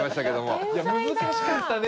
難しかったね